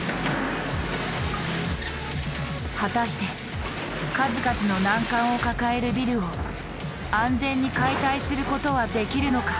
果たして数々の難関を抱えるビルを安全に解体することはできるのか？